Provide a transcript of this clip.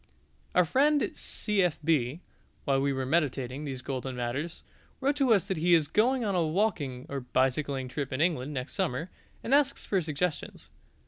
Our friend C.F.B., while we were meditating these golden matters, wrote to us that he is going on a walking or bicycling trip in England next summer, and asks for suggestions.